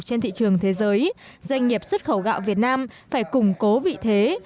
trên thị trường thế giới doanh nghiệp xuất khẩu gạo việt nam phải củng cố vị thế